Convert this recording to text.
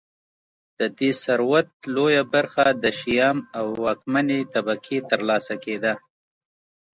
د دې ثروت لویه برخه د شیام او واکمنې طبقې ترلاسه کېده